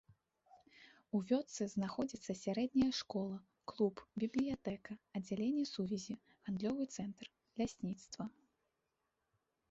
У вёсцы знаходзіцца сярэдняя школа, клуб, бібліятэка, аддзяленне сувязі, гандлёвы цэнтр, лясніцтва.